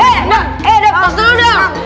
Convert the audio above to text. team stobri juara satu